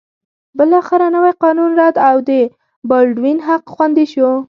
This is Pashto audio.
بالاخره نوی قانون رد او د بالډوین حق خوندي شو.